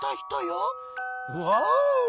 「ワオ！